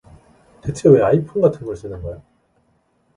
대체 왜 아이폰 같은 걸 쓰는 거야?